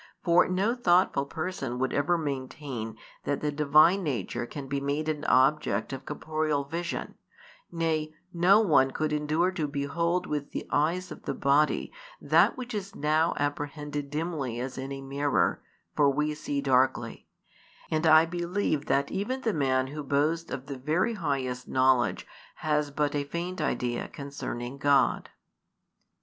For no thoughtful person would ever maintain that the Divine Nature can be made an object of corporeal vision; nay, no one could endure to behold with the eyes of the body that which is now apprehended dimly as in a mirror: for we see darkly, and I believe that even the man who |255 boasts of the very highest knowledge has but a faint idea concerning God.